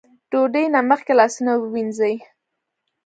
ډوډۍ نه مخکې لاسونه ووينځئ ـ